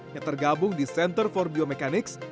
yang tergabung di center for biomechanics